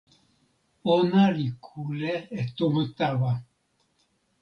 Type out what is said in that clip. ona li kule e tomo tawa.